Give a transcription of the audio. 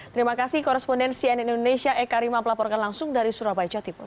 terima kasih korespondensi an indonesia eka rima pelaporkan langsung dari surabaya jatipur